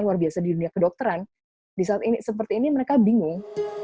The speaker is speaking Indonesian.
luar biasa di dunia kedokteran di saat seperti ini mereka bingung